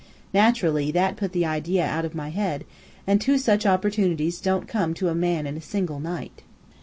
Naturally that put the idea out of my head; and two such opportunities don't come to a man in a single night.